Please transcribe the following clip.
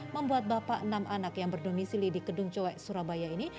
membuat bapak enam anak yang berdomisili di kedung coek surabaya ini